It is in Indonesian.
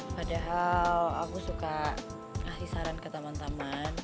padahal aku suka kasih saran ke teman teman